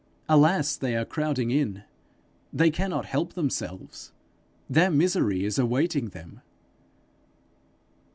Alas, they are crowding in; they cannot help themselves; their misery is awaiting them!